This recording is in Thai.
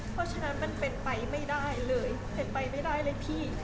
เพราะฉะนั้นเป็นไปไม่ได้เลย